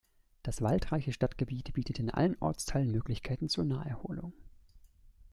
Das waldreiche Stadtgebiet bietet in allen Ortsteilen Möglichkeiten zur Naherholung.